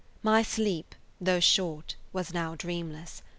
My sleep, though short, was now dreamless.